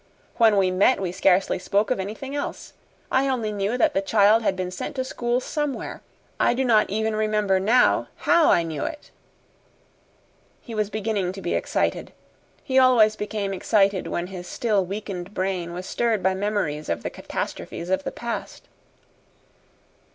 When we met we scarcely spoke of anything else. I only knew that the child had been sent to school somewhere. I do not even remember, now, HOW I knew it." He was beginning to be excited. He always became excited when his still weakened brain was stirred by memories of the catastrophes of the past.